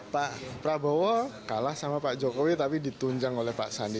pak prabowo kalah sama pak jokowi tapi ditunjang oleh pak sandi